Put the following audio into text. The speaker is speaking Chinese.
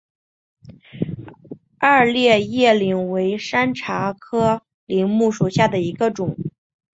二列叶柃为山茶科柃木属下的一个种。